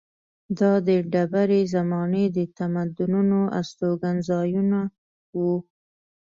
دا د ډبرې زمانې د تمدنونو استوګنځایونه وو.